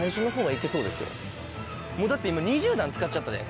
もうだって今２０段使っちゃったで。